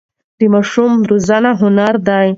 د ماشوم روزنه هنر دی.